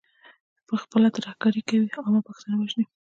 پخپله ترهګري کوي، عام پښتانه وژني.